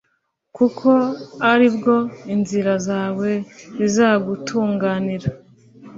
kuko ari bwo inzira zawe zizagutunganira